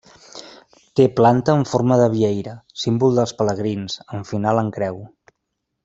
Té planta en forma de vieira, símbol dels pelegrins, amb final en creu.